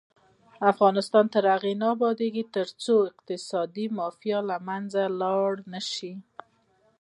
افغانستان تر هغو نه ابادیږي، ترڅو اقتصادي مافیا له منځه لاړه نشي.